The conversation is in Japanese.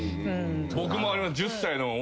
僕も。